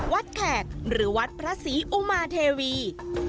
แขกหรือวัดพระศรีอุมาเทวี